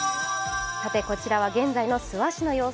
こちらは現在の諏訪市の様子。